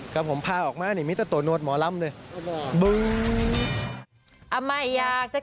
ครับผมพาออกมานี่มีแต่ตัวโน้ตหมอลำเลย